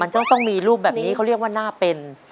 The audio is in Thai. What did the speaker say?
มันก็ต้องมีรูปแบบมีเขาเรียกว่าหน้าเป็น